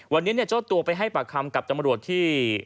วันนี้เจ้าตัวไปให้ปากคำกับตำรวจที่